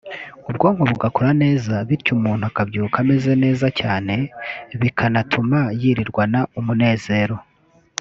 ubwonko bugakora neza bityo umuntu akabyuka ameze neza cyane bikanatuma yirirwana umunezero